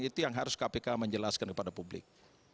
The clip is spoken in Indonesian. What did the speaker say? itu yang harus kpk menjelaskan kepada publik